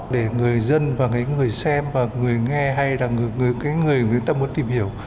để người dân và người xem và người nghe hay là người tâm muốn tìm hiểu